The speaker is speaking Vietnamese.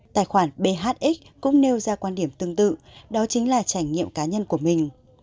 tài khoản bhx cũng nêu ra quan điểm tương tự đó chính là trải nghiệm cá nhân của mình